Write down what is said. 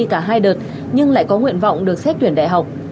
hải linh không thể dự thi cả hai đợt nhưng lại có nguyện vọng được xét tuyển đại học